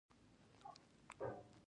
د مور مهرباني بېساری ده.